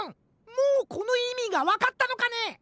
もうこのいみがわかったのかね？